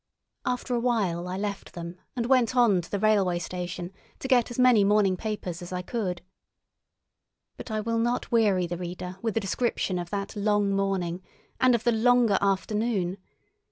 After a while I left them, and went on to the railway station to get as many morning papers as I could. But I will not weary the reader with a description of that long morning and of the longer afternoon.